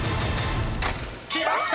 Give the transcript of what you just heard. ［きました！